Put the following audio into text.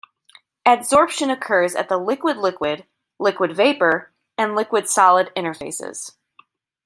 Adsorption occurs at the liquid-liquid, liquid-vapor, and liquid-solid interfaces.